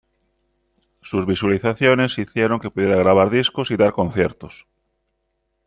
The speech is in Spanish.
Sus visualizaciones hicieron que pudiera grabar discos y dar conciertos.